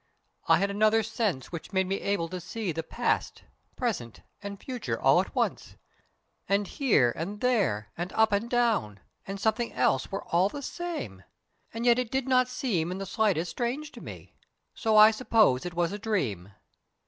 I had another sense which made me able to see past, present, and future all at once, and here and there, and up and down, and something else were all the same, and yet it did not seem in the slightest strange to me, so I suppose it was a dream."